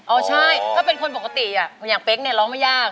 โอ้ใช่ถ้าเป็นคนปกติอย่างเพคล์เนี่ยร้องไม่ยาก